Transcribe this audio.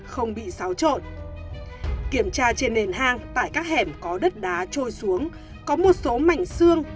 không bị xáo trộn kiểm tra trên nền hang tại các hẻm có đất đá trôi xuống có một số mảnh xương